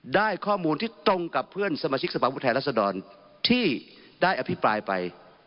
ได้ข้อมูลที่ตรงกับเพื่อนสมาชิกสภาพผู้แทนรัศดรที่ได้อภิปรายไป